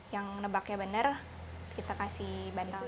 yang nebaknya bener kita kasih bantal